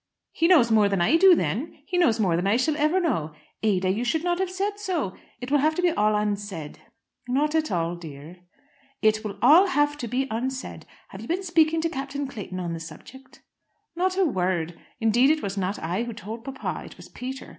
"He knows more than I do, then. He knows more than I ever shall know. Ada, you should not have said so. It will have to be all unsaid." "Not at all, dear." "It will all have to be unsaid. Have you been speaking to Captain Clayton on the subject?" "Not a word. Indeed it was not I who told papa. It was Peter.